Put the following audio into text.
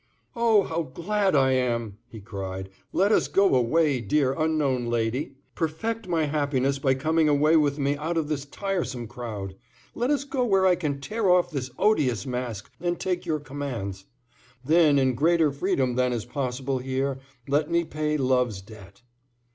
"Oh, how glad I am!" he cried. "Let us go away, dear, unknown Lady. Perfect my happiness by coming away with me out of this tiresome crowd. Let us go where I can tear off this odious mask and take your commands. Then in greater freedom than is possible here, let me pay love's debt."